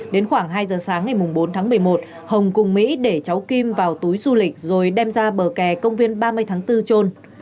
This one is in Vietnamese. đến khoảng hai giờ sáng ngày bốn tháng một mươi một hồng cùng mỹ để cháu kim vào túi du lịch rồi đem ra bờ kè công viên ba mươi tháng bốn trôn